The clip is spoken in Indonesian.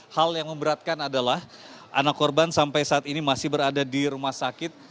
hal yang memberatkan adalah anak korban sampai saat ini masih berada di rumah sakit